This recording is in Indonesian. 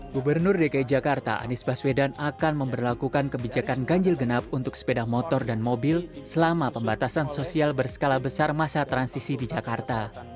gubernur dki jakarta anies baswedan akan memperlakukan kebijakan ganjil genap untuk sepeda motor dan mobil selama pembatasan sosial berskala besar masa transisi di jakarta